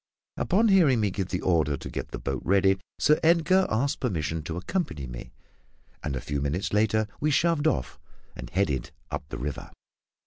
Upon hearing me give the order to get the boat ready, Sir Edgar asked permission to accompany me; and a few minutes later we shoved off, and headed up the river.